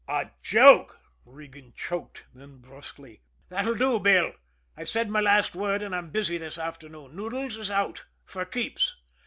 "A joke!" Regan choked; then brusquely: "That'll do, Bill. I've said my last word, and I'm busy this afternoon. Noodles is out for keeps."